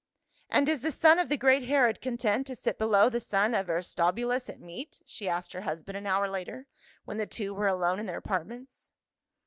" And is the son of the great Herod content to sit below the son of Aristobulus at meat?" she asked her husband an hour later, when the two were alone in their apartments.